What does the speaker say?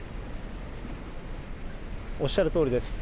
おっしゃるとおりです。